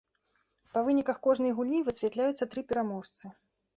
Па выніках кожнай гульні высвятляюцца тры пераможцы.